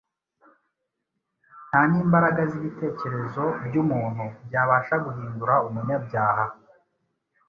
nta n’imbaraga z’ibitekerezo by’umuntu byabasha guhindura umunyabyaha